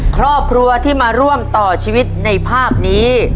ครอบครัวที่มาร่วมต่อชีวิตในภาพนี้